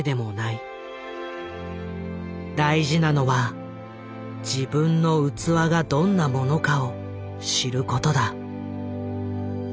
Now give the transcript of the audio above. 「大事なのは自分の器がどんなものかを知ることだ」。